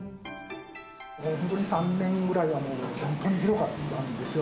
ここ２、３年くらいはもう本当にひどかったんですよ。